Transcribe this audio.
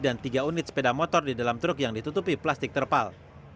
dan tiga unit sepeda motor di dalam truk yang ditutupi plastik terpal